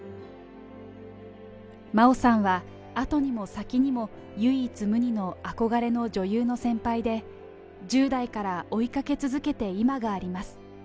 真央さんは、後にも先にも、唯一無二の憧れの女優の先輩で、１０代から追いかけ続けて今があります。